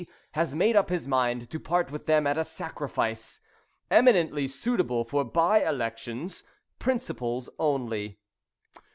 has made up his mind to part with them at a sacrifice. Eminently suitable for bye elections. Principals only.